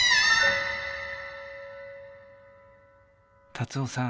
・達雄さん